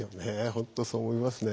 ほんとそう思いますね。